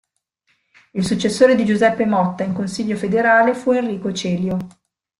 Il successore di Giuseppe Motta in Consiglio federale fu Enrico Celio.